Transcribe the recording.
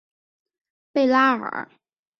贝拉尔。